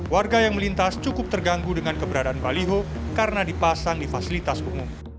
warga yang melintas cukup terganggu dengan keberadaan baliho karena dipasang di fasilitas umum